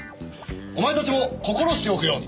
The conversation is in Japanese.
お前たちも心しておくように。